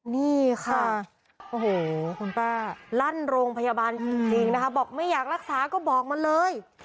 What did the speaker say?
นี่ค่ะโอ้โหคุณป้าลั่นโรงพยาบาลจริงนะคะบอกไม่อยากรักษาก็บอกมันเลย